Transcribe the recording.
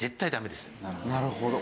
なるほど。